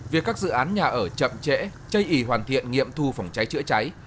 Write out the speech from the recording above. việc các dự án nhà ở chậm trễ chây ý hoàn thiện nghiệm thu phòng cháy chữa cháy